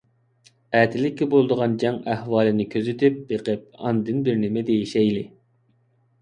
ئەتىلىككە بولىدىغان جەڭ ئەھۋالىنى كۆزىتىپ بېقىپ ئاندىن بىرنېمە دېيىشەيلى.